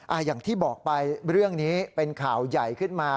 อย่างที่บอกไปเรื่องนี้เป็นข่าวใหญ่ขึ้นมา